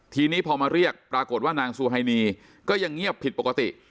ทีนี้พอมาเรียกปรากฏว่านางซูไฮนีก็ยังเงียบผิดปกติ